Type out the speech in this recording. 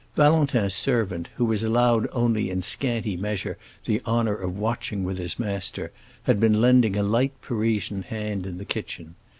Valentin's servant, who was allowed only in scanty measure the honor of watching with his master, had been lending a light Parisian hand in the kitchen.